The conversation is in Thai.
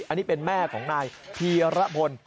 อันนี้เป็นแม่ของนายธีรพล